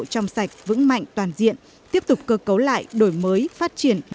trong sạch vững mạnh toàn diện tiếp tục cơ cấu lại đổi mới phát triển